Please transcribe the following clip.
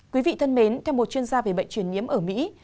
quý vị thân mến theo một chuyên gia về bệnh truyền nhiễm ở mỹ